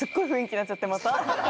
なっちゃってまた。